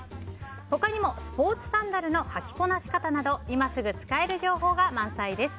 他にも、スポーツサンダルの履きこなし方など今すぐ使える情報が満載です。